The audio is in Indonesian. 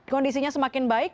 kondisinya semakin baik